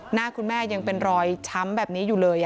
หน้าคุณแม่ยังเป็นรอยช้ำแบบนี้อยู่เลย